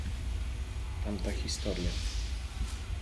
Tamta historia.